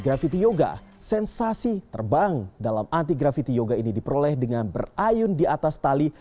grafiti yoga sensasi terbang dalam anti grafiti yoga ini diperoleh dengan berayun di atas tali